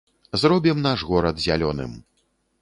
Зробім наш горад зялёным!